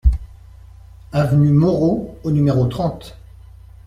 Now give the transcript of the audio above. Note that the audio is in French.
Avenue Moreau au numéro trente